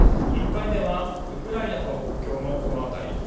１回目はウクライナとの国境のこの辺り。